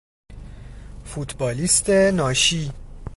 فوتبالیست ناشی